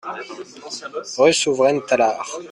Rue Souveraine, Tallard